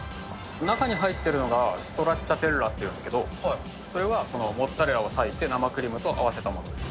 中に入ってるのが、ストラッチャテッラっていうんですけど、それはモッツァレラを裂いて生クリームと合わせたものです。